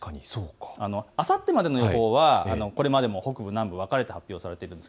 あさってまでの予報はこれまでも北部、南部、分かれて発表されています。